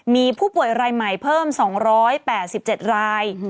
มีผู้ป่วยรายใหม่เพิ่ม๒๘๗ราย